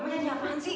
mama nyanyi apaan sih